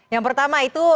yang pertama itu